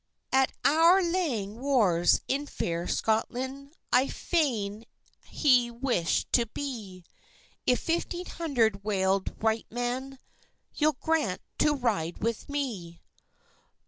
"At our lang wars, in fair Scotland, I fain ha'e wish'd to be, If fifteen hundred waled wight men You'll grant to ride with me."